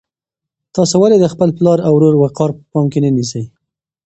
تاسو ولې د خپل پلار او ورور وقار په پام کې نه نیسئ؟